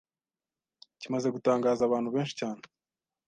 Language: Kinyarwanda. kimaze gutangaza abantu benshi cyane